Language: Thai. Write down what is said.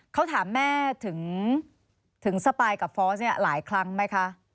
เขาถามแม่ถึงสปายกับฟอสเนี่ยหลายครั้งไหมคะ